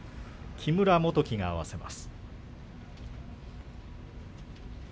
木村元基が合わせます。